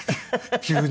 急に。